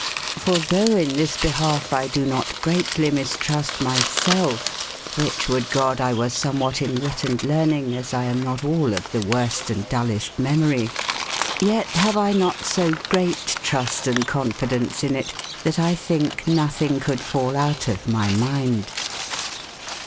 for The tbougbc in this bcbalfc I do not grcatlyc Bpistlc mistrustc my sclfc (wbicbc wouldc God X were somwbat in wit and leaminge, as Xam not all of tbe worste and dullest memorye) yet bave 1 not so great truste & confidence in it, tbat I tbinkenotbinge coulde fall out of my mynde.